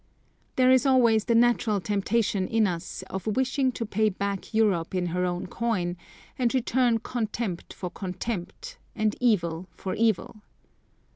There is always the natural temptation in us of wishing to pay back Europe in her own coin, and return contempt for contempt and evil for evil.